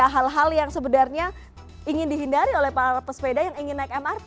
hal hal yang sebenarnya ingin dihindari oleh para pesepeda yang ingin naik mrt